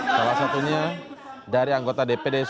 salah satunya dari anggota dpd sulawesi barat asri anas